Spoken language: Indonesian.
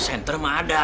center mah ada